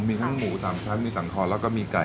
มีทั้งหมู๓ชั้นมีสังคอนแล้วก็มีไก่